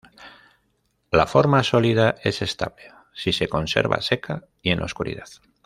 La forma sólida es estable si se conserva seca y en la oscuridad.